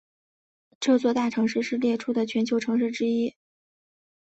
这座大都市是列出的全球城市之一。